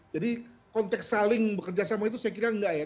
jadi konteks saling bekerja sama itu saya kira enggak ya